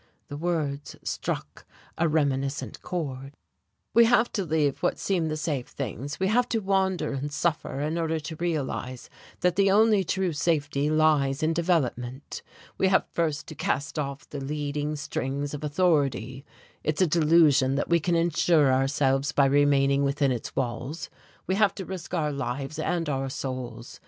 The words struck a reminiscent chord. "We have to leave what seem the safe things, we have to wander and suffer in order to realize that the only true safety lies in development. We have first to cast off the leading strings of authority. It's a delusion that we can insure ourselves by remaining within its walls we have to risk our lives and our souls.